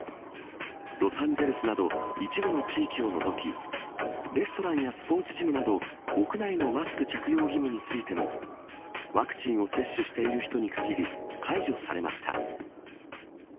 ロサンゼルスなど、一部の地域を除き、レストランやスポーツジムなど、屋内のマスク着用義務についても、ワクチンを接種している人にかぎり、解除されました。